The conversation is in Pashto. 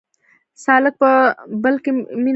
سالک په بل کلي کې مینه کوي